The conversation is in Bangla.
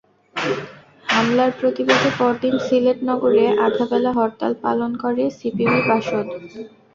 হামলার প্রতিবাদে পরদিন সিলেট নগরে আধা বেলা হরতাল পালন করে সিপিবি-বাসদ।